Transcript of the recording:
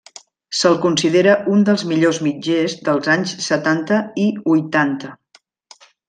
Se'l considera un dels millors mitgers dels anys setanta i huitanta.